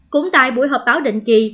cũng tại buổi họp báo định kỳ